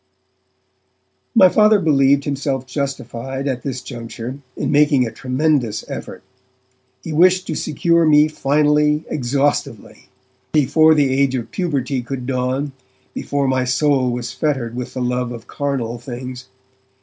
My Father believed himself justified, at this juncture, in making a tremendous effort. He wished to secure me finally, exhaustively, before the age of puberty could dawn, before my soul was fettered with the love of carnal things.